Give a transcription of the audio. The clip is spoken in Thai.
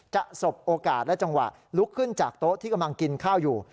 สบโอกาสและจังหวะลุกขึ้นจากโต๊ะที่กำลังกินข้าวอยู่